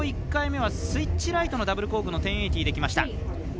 １回目はスイッチライトのダブルコークの１０８０できました。